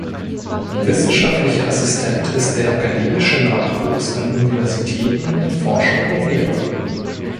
Wissenschaftlicher Assistent ist der akademische Nachwuchs an Universitäten in Forschung und Lehre.